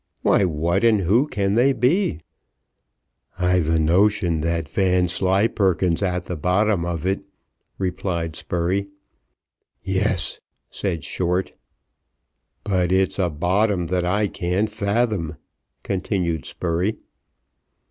"Why, what, and who can they be?" "I've a notion that Vanslyperken's at the bottom of it," replied Spurey. "Yes," said Short. "But it's a bottom that I can't fathom," continued Spurey.